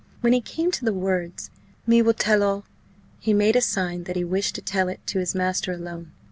When he came to the words, "Me will tell all," he made a sign that he wished to tell it to his master alone.